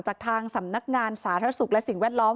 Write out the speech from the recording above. จากทางสำนักงานสาธารณสุขและสิ่งแวดล้อม